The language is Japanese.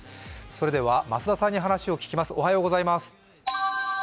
それでは増田さんに話を聞きます。